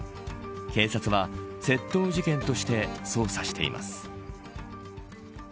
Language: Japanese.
警察は窃盗事件として捜査しています。